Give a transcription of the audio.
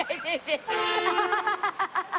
ハハハハハ！